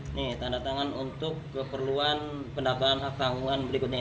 ini tanda tangan untuk keperluan pendapatan hak tanggungan berikutnya ini